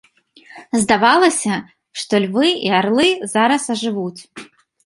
Здавалася, што львы і арлы зараз ажывуць.